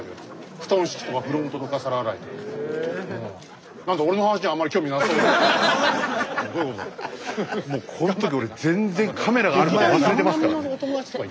スタジオもうこん時俺全然カメラがあること忘れてますからね。